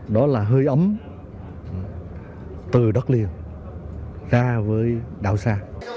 đó là hơi ấm từ đất liền ra với đảo xa